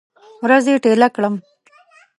ورځې ټیله کړم